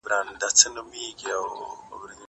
زه به زده کړه کړي وي!